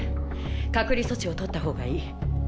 隔離措置をとった方がいい。